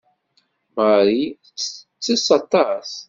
Marie tettess aṭas.